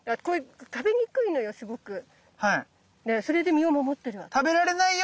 それで身を守ってるわけ。